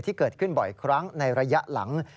ที่เกิดขึ้นบ่อยครั้งในระยะหลัง